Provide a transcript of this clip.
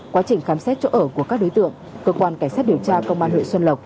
quá trình khám xét chỗ ở của các đối tượng cơ quan cảnh sát điều tra công an huyện xuân lộc